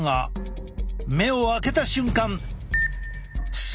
目を開けた瞬間。